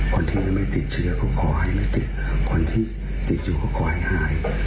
คนที่ไม่ติดเชื้อก็ขอให้ไม่ติดคนที่ติดอยู่ก็ขอให้หาย